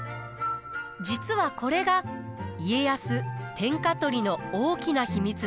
実はこれが家康天下取りの大きな秘密です。